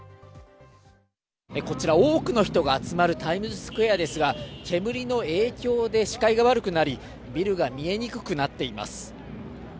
こちら多くの人が集まるタイムズスクエアですが、煙の影響で視界が悪くなり、ビルが見えにくくなっています。